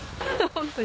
本当に。